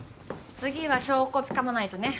次は証拠つかまないとね。